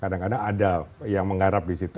kadang kadang ada yang menggarap disitu